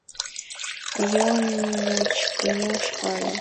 — Ионыч кынел шогале.